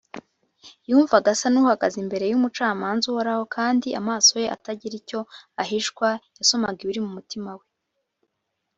yumvaga asa n’uhagaze imbere y’umucamanza uhoraho, kandi amaso ye atagira icyo ahishwa yasomaga ibiri mu mutima we,